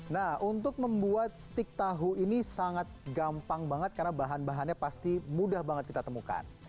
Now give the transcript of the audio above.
nah untuk membuat stik tahu ini sangat gampang banget karena bahan bahannya pasti mudah banget kita temukan